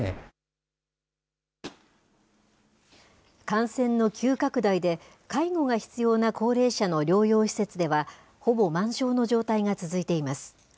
感染の急拡大で、介護が必要な高齢者の療養施設では、ほぼ満床の状態が続いています。